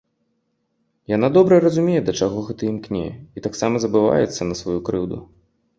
Яна добра разумее, да чаго гэта імкне, і таксама забываецца на сваю крыўду.